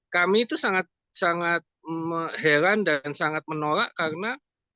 kami itu sangat heran dan sangat menolak karena